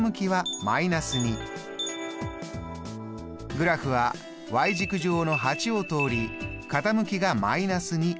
グラフはｙ軸上の８を通り傾きが−２。